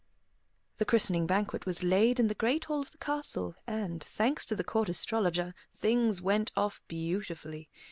The christening banquet was laid in the great hall of the castle, and, thanks to the Court Astrologer, things went off beautifully.